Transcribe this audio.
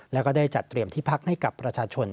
แล้วก็ได้จัดเตรียมที่พักให้กับประชาชน